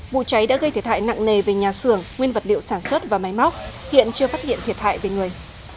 vụ cháy đã gây thiệt hại nặng nề về nhà xưởng nguyên vật liệu sản xuất và máy móc hiện chưa phát hiện thiệt hại về người